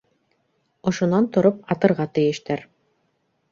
Ошонан тороп атырға тейештәр.